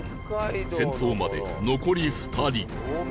先頭まで残り２人